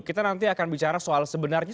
kita nanti akan bicara soal sebenarnya